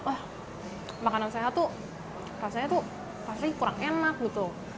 wah makanan sehat tuh rasanya tuh pasti kurang enak gitu